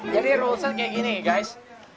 jadi ruleset kayak gini guys